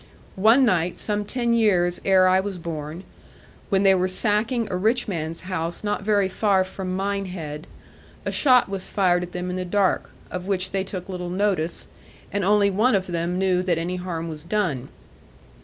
One night, some ten years ere I was born, when they were sacking a rich man's house not very far from Minehead, a shot was fired at them in the dark, of which they took little notice, and only one of them knew that any harm was done.